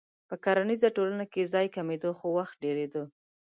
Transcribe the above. په کرنیزه ټولنه کې ځای کمېده خو وخت ډېرېده.